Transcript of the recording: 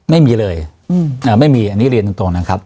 ไม่มีเลยไม่มีอันนี้เรียนตรงนะครับ